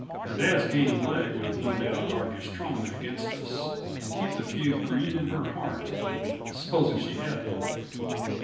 Her dad's game leg would no doubt argue strongly against us, and keep the feud green in her heart supposing she had one.